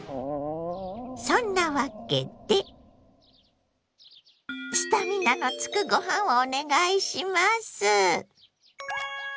そんなわけでスタミナのつくご飯をお願いします。